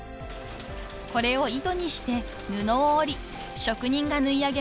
［これを糸にして布を織り職人が縫い上げます］